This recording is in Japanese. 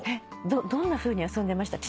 どんなふうに遊んでました？